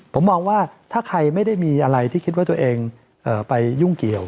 ผมมองว่าถ้าใครไม่ได้มีอะไรที่คิดว่าตัวเองไปยุ่งเกี่ยว